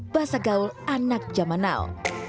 bahasa gaul anak jamanal